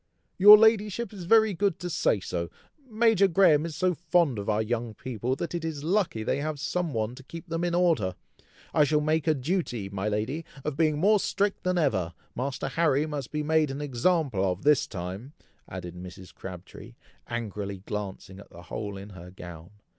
"Your ladyship is very good to say so. Major Graham is so fond of our young people, that it is lucky they have some one to keep them in order. I shall make a duty, my lady, of being more strict than ever. Master Harry must be made an example of this time!" added Mrs. Crabtree, angrily glancing at the hole in her gown.